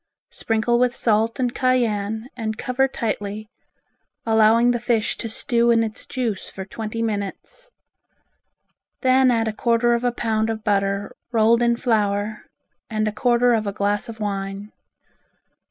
Sprinkle with salt and cayenne, and cover tightly, allowing the fish to stew in its juice for twenty minutes. Then add a quarter of a pound of butter rolled in flour, and a quarter of a glass of wine.